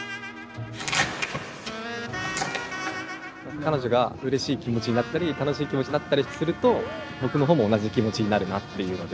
彼女がうれしい気持ちになったり楽しい気持ちになったりすると僕の方も同じ気持ちになるなっていうので。